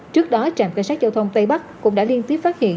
trước đó trạm cảnh sát giao thông tây bắc cũng đã liên tiếp phát hiện